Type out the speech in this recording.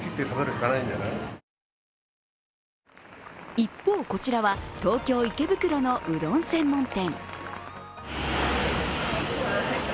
一方、こちらは東京・池袋のうどん専門店。